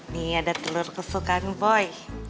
nih ada telur kesukaan boy